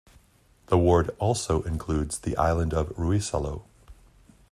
The ward also includes the island of Ruissalo.